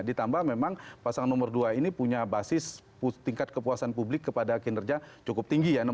ditambah memang pasangan nomor dua ini punya basis tingkat kepuasan publik kepada kinerja cukup tinggi ya